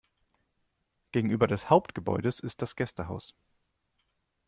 Gegenüber des Hauptgebäudes ist das Gästehaus.